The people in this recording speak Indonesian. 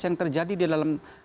yang terjadi di dalam